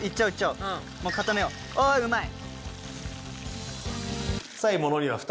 うまい！